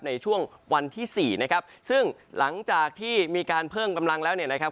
ในช่วงวันที่สี่นะครับซึ่งหลังจากที่มีการเพิ่มกำลังแล้วเนี่ยนะครับ